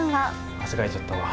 汗かいちゃったわ。